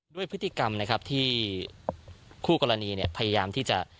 ด้วยพฤติกรรมที่คู่กรณีพยายามที่จะ